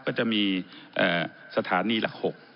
ก็จะมีสถานีหลัก๖